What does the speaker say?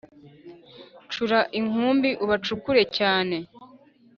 Cura inkumbi ubacukure cyane